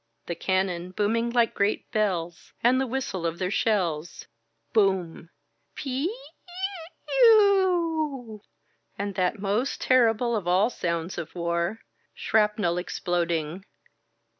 The cannon booming like great bells, and the whistle of their shells. Boom — ^Pi i i e e a uuu ! And that most terrible of all the sounds of war, shrapnel exploding.